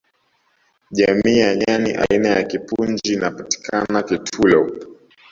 jamii ya nyani aina ya kipunji inapatikana kitulo